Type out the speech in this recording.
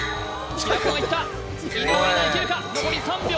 平子もいった井上がいけるか残り３秒